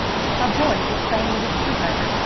A boy is playing with a screwdriver.